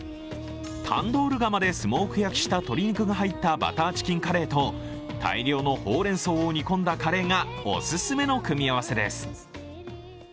タンドール窯でスモーク焼きした鶏肉が入ったバターチキンカレーと大量のほうれんそうを煮込んだカレーがおすすめの組み合わせです。